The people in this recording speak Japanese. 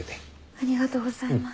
ありがとうございます。